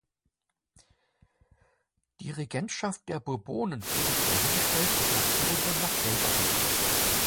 Die Regentschaft der Bourbonen wurde wiederhergestellt und Napoleon nach Elba verbannt.